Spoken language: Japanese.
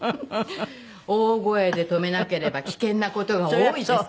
大声で止めなければ危険な事が多いですから。